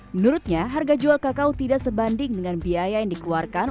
menurutnya harga jual kakao tidak sebanding dengan biaya yang dikeluarkan